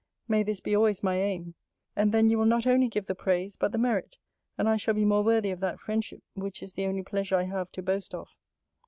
May this be always my aim! And then you will not only give the praise, but the merit; and I shall be more worthy of that friendship, which is the only pleasure I have to boast of.